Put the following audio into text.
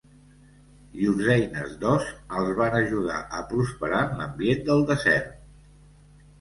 Llurs eines d'os els van ajudar a prosperar en l'ambient del desert.